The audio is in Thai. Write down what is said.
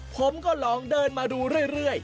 ผมก็ลองเดินมาดูเรื่อย